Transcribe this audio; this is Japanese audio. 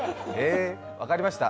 分かりました。